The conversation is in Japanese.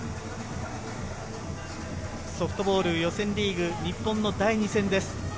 ソフトボール予選リーグ、日本の第２戦です。